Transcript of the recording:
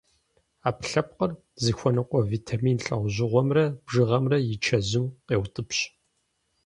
Ӏэпкълъэпкъыр зыхуэныкъуэ витамин лӏэужьыгъуэмрэ бжыгъэмрэ и чэзум къеутӏыпщ.